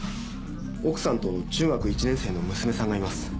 奥さんと中学１年生の娘さんがいます。